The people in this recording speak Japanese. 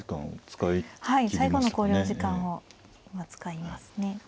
はい最後の考慮時間を今使いますね。